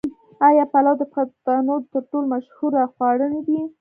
آیا پلو د پښتنو تر ټولو مشهور خواړه نه دي؟